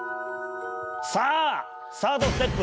さあサードステップ